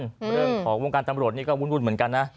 เรื่องของวงการตำรวจนี่ก็วุ่นเหมือนกันนะ